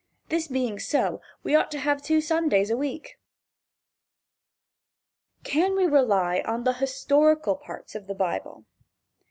This being so, we ought to have two Sundays a week. Can we rely on the historical parts of the Bible?